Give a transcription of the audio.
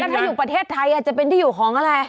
ถ้าอยู่ประเทศไทยอาจจะเป็นที่อยู่ของอะไร